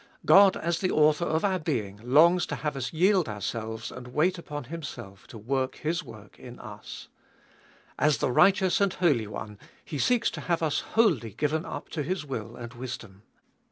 God as the author of our being longs to have us yield ourselves and wait upon Himself to work His work in us. As the righteous Iboliest of ail 245 and holy One He seeks to have us wholly given up to His will and wisdom.